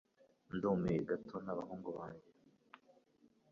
Ndumiwe gato nabahungu banjye.